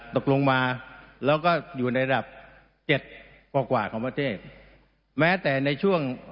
ตกลงมาแล้วก็อยู่ในระดับเจ็ดกว่ากว่าของประเทศแม้แต่ในช่วง